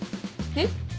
えっ？